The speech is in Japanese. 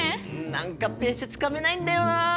何かペースつかめないんだよな。